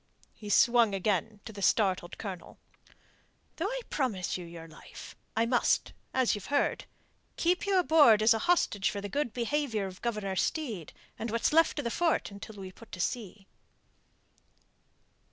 He swung again to the startled Colonel. "Though I promise you your life, I must as you've heard keep you aboard as a hostage for the good behaviour of Governor Steed and what's left of the fort until we put to sea."